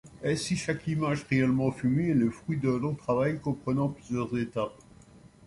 Ainsi chaque image réellement filmée est le fruit d'un long travail comprenant plusieurs étapes.